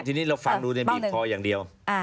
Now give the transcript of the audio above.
ทีนี้เราฟังดูบีบคออย่างเดียว